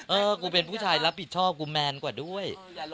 เออกูเป็นผู้ชายรับผิดชอบกูแมนกว่าด้วย